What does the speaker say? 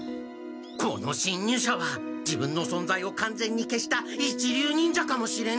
このしんにゅうしゃは自分のそんざいをかんぜんに消した一流忍者かもしれない！